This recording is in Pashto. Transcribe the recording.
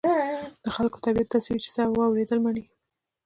د خلکو طبيعت داسې وي چې څه واورېدل مني.